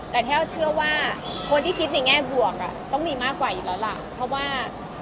แต่ถ้าเชื่อว่าคนที่คิดในแง่บวกต้องมีมากกว่าอยู่แล้วล่ะเพราะว่า